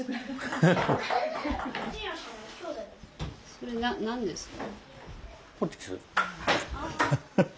それ何ですか？